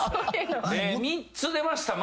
３つ出ました。